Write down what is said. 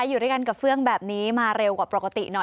อยู่ด้วยกันกับเฟื่องแบบนี้มาเร็วกว่าปกติหน่อย